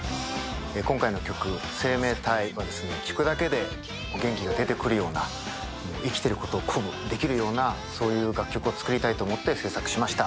今回の曲、「生命体」を聴くだけで元気が出てくるような生きてることを鼓舞できるような、そういう楽曲を作りたいと思って制作しました。